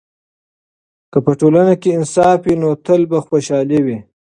که په ټولنه کې انصاف وي، نو تل به خوشحاله وي.